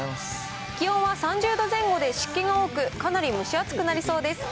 気温は３０度前後で湿気が多く、かなり蒸し暑くなりそうです。